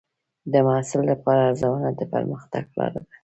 د محصل لپاره ارزونه د پرمختګ لار ده.